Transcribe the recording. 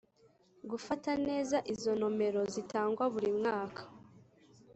gufata neza izo nomero zitangwa buri mwaka